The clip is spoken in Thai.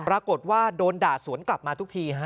ปรากฏว่าโดนด่าสวนกลับมาทุกที